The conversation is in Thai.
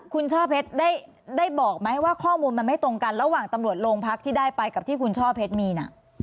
คุณช่อเพชรได้บอกไหมว่าข้อมูลมันไม่ตรงกันระหว่างตำรวจโรงพักที่ได้ไปกับที่คุณช่อเพชรมีน่ะ